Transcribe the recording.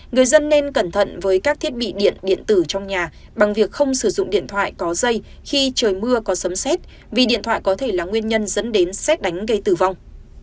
người dân nên cẩn thận với các thiết bị điện điện tử trong nhà bằng việc không sử dụng điện thoại có dây khi trời mưa có sấm xét vì điện thoại có thể là nguyên nhân dẫn đến xét đánh gây tử vong